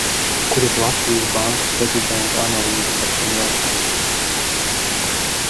Kur ir Latvijas Bankas prezidenta analīze par šiem jautājumiem?